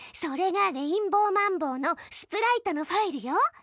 それがレインボーマンボウのスプライトのファイルよ！